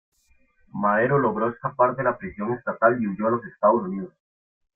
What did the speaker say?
Madero logró escapar de la prisión estatal y huyó a los Estados Unidos.